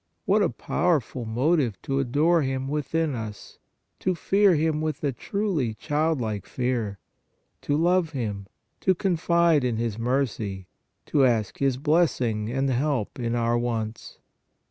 What a powerful motive to adore Him within us, to fear Him with a truly childlike fear, to love Him, to confide in His mercy, to ask His blessing and help in our wants